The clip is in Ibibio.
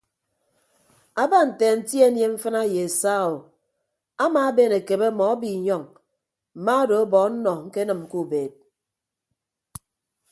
Aba nte anti anie mfịna ye saa o amaaben akebe ọmọ abiinyọñ mma odo ọbọ ọnnọ ñkenịm ke ubeed.